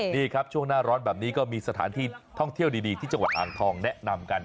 นี่ครับช่วงหน้าร้อนแบบนี้ก็มีสถานที่ท่องเที่ยวดีที่จังหวัดอ่างทองแนะนำกัน